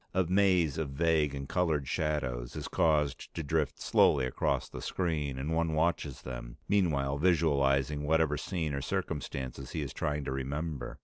A maze of vague and colored shadows is caused to drift slowly across the screen, and one watches them, meanwhile visualizing whatever scene or circumstances he is trying to remember.